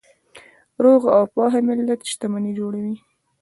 روغ او پوهه ملت شتمني جوړوي.